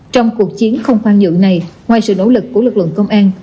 trong cuộc chiến không khoan nhượng này ngoài sự nỗ lực của lực lượng công an